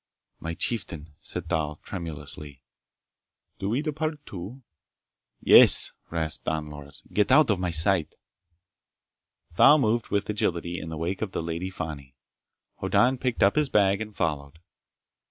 "My chieftain," said Thal tremulously, "do we depart, too?" "Yes!" rasped Don Loris. "Get out of my sight!" Thal moved with agility in the wake of the Lady Fani. Hoddan picked up his bag and followed.